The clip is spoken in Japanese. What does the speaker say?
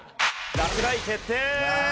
落第決定！